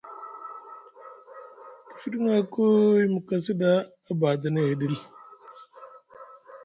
Ki fidiŋa koy mu kasi ɗa a badani hiɗil.